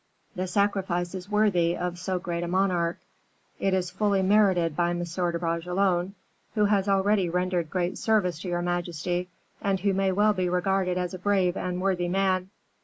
The sacrifice is worthy of so great a monarch; it is fully merited by M. de Bragelonne, who has already rendered great service to your majesty, and who may well be regarded as a brave and worthy man.